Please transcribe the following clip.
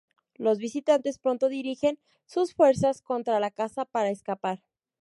Los visitantes pronto dirigen sus fuerzas contra la casa para escapar.